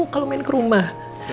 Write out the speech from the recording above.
kalau main ke rumah